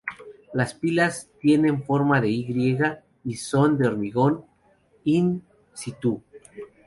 Las pilas tienen forma de Y y son de hormigón in-situ.